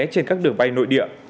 trên các đường bay nội địa